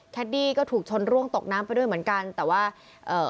ดี้ก็ถูกชนร่วงตกน้ำไปด้วยเหมือนกันแต่ว่าเอ่อ